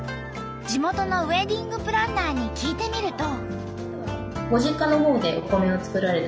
地元のウエディングプランナーに聞いてみると。